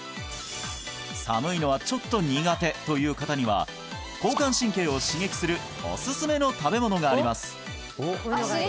寒いのはちょっと苦手という方には交感神経を刺激するおすすめの食べ物があります